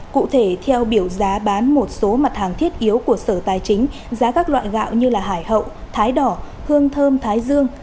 cụ thể theo biểu giá bán một số mặt hàng thiết yếu của sở tài chính giá các loại gạo như hải hậu thái đỏ hương thơm thái dương